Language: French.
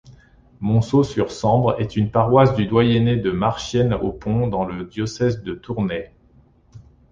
Monceau-sur-Sambre est une paroisse du doyenné de Marchienne-au-Pont, dans le diocèse de Tournai.